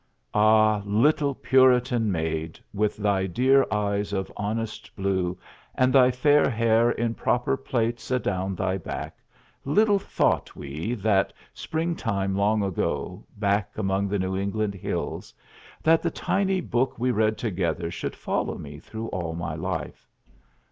Ah, little Puritan maid, with thy dear eyes of honest blue and thy fair hair in proper plaits adown thy back, little thought we that springtime long ago back among the New England hills that the tiny book we read together should follow me through all my life!